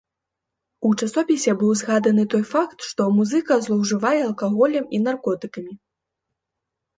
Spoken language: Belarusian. У часопісе быў згаданы той факт, што музыка злоўжывае алкаголем і наркотыкамі.